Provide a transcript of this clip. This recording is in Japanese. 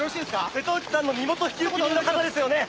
瀬戸内さんの身元引受人の方ですよね？